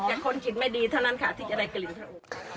นอกจากคนคิดไม่ดีเท่านั้นค่ะที่จะได้กลิ่นเท่านั้น